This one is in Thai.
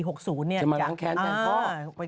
จะมาล้างแค้นแทนพ่อ